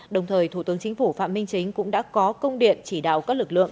đồng thời thủ tướng chính phủ phạm minh chính cũng đã có công điện chỉ đạo các lực lượng